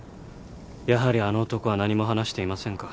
やはりあの男は何も話していませんか。